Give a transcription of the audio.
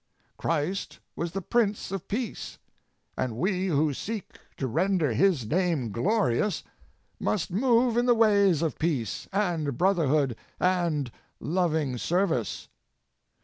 Christ was the Prince of Peace, and we who seek to render His name glorious must move in the ways of peace and brotherhood and loving service.